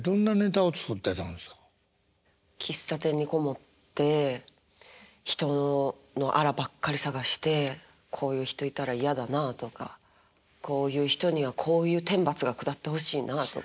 喫茶店に籠もって人のあらばっかり探して「こういう人いたら嫌だなあ」とか「こういう人にはこういう天罰が下ってほしいなあ」とか。